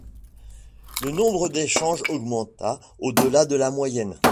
Le nombre d'échanges augmenta au-delà de la moyenne.